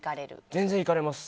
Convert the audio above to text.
全然、行かれます。